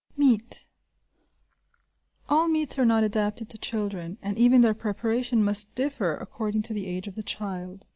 Meat. All meats are not adapted to children, and even their preparation must differ according to the age of the child.